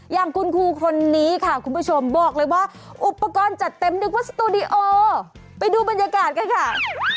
อย่างคุณครูคนนี้ค่ะคุณผู้ชมบอกเลยว่าอุปกรณ์จัดเต็มนึกว่าสตูดิโอไปดูบรรยากาศกันค่ะ